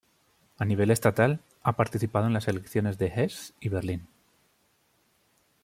A nivel estatal, ha participado en las elecciones de Hesse y Berlín.